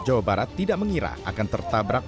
jawa barat tidak mengira akan tertabrak